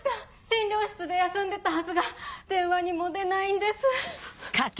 診療室で休んでたはずが電話にも出ないんです。